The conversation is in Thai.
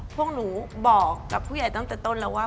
พวกหนูบอกกับผู้ใหญ่ตั้งแต่ต้นแล้วว่า